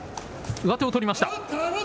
上手を取りました。